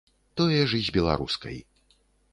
Тое ж і з беларускай.